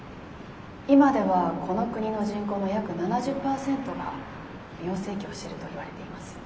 「今ではこの国の人口の約７０％が美容整形をしてるといわれています。